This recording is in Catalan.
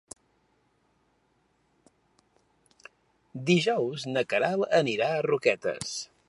Dijous na Queralt anirà a Roquetes.